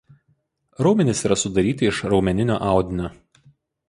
Raumenys yra sudaryti iš raumeninio audinio.